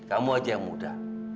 kamu aja yang muda